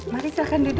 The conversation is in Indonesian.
mari silahkan duduk